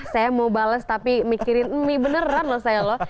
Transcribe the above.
saya mau bales tapi mikirin mie beneran loh saya loh